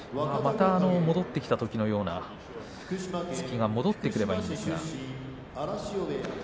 戻ってきたときのような突きが戻ってくるといいんですけれどもね。